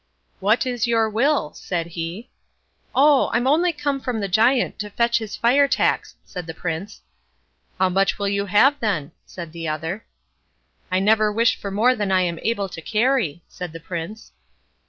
"What is your will?" said he. "Oh! I'm only come from the Giant to fetch his fire tax", said the Prince. "How much will you have then?" said the other. "I never wish for more than I am able to carry", said the Prince.